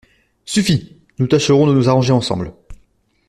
Suffit… nous tâcherons de nous arranger ensemble…